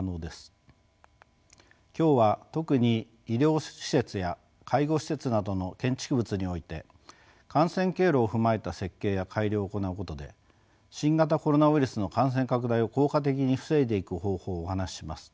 今日は特に医療設備や介護施設などの建築物において感染経路を踏まえた設計や改良を行うことで新型コロナウイルスの感染拡大を効果的に防いでいく方法をお話しします。